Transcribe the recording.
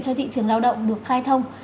cho thị trường lao động được khai thông